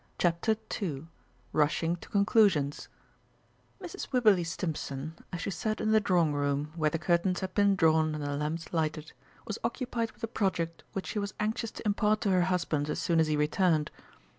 CHAPTER II RUSHING TO CONCLUSIONS Mrs. Wibberley Stimpson, as she sat in the drawing room, where the curtains had been drawn and the lamps lighted, was occupied with a project which she was anxious to impart to her husband as soon as he returned.